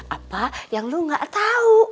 apa yang lu gak tahu